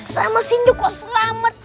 sama sindu kok selamat